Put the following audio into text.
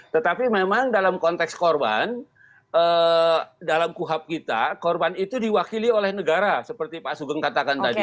tetapi memang dalam konteks korban dalam kuhap kita korban itu diwakili oleh negara seperti pak sugeng katakan tadi